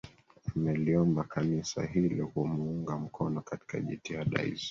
Ameliomba Kanisa hilo kumuunga mkono katika jitihada hizo